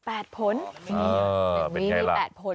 อ่าเป็นไงล่ะ